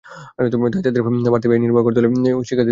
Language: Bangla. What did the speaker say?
তাই তাদের বাড়তি ব্যয় নির্বাহ করতে হেল শিক্ষার্থীদের ওপরই চাপ বাড়বে।